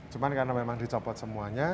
cuma karena memang dicopot semuanya